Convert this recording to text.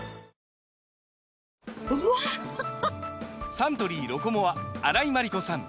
サントリー「ロコモア」荒井眞理子さん